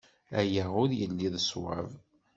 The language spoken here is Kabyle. Aya ur yelli d ṣṣwab.